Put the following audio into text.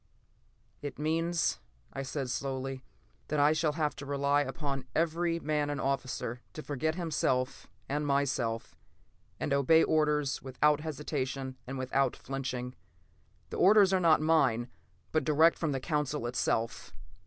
"It means," I said slowly, "that I shall have to rely upon every man and officer to forget himself and myself, and obey orders without hesitation and without flinching. The orders are not mine, but direct from the Council itself."